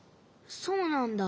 そうなんだ。